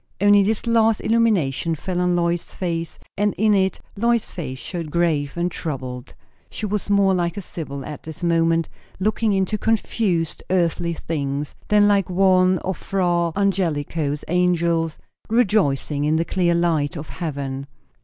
Only this last illumination fell on Lois's face, and in it Lois's face showed grave and troubled. She was more like a sybil at this moment, looking into confused earthly things, than like one of Fra Angelico's angels rejoicing in the clear light of heaven.